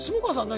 下川さん何？